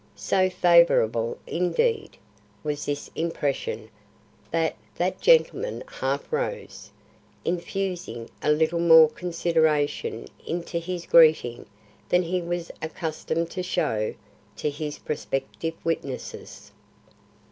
So favourable, indeed, was this impression that that gentleman half rose, infusing a little more consideration into his greeting than he was accustomed to show to his prospective witnesses.